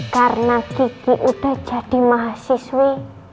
karena kiki udah jadi mahasiswi